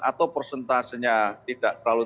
atau persentasenya tidak terlalu